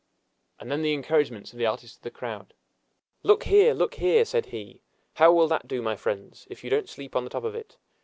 And then the encouragements of the artist to the crowd! "Look here! look here!" said he; "how will that do, my friends if you don't sleep on the top of it!